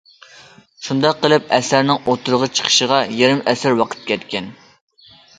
شۇنداق قىلىپ ئەسەرنىڭ ئوتتۇرىغا چىقىشىغا يېرىم ئەسىر ۋاقىت كەتكەن.